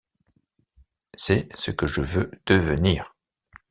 C'est ce que je veux devenir.